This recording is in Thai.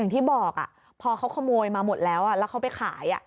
ที่บอกพอเขาขโมยมาหมดแล้วแล้วเขาไปขาย